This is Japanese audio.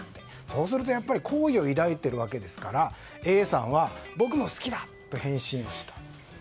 そうすると好意を抱いてるわけですからＡさんは僕も好きだと返信をした。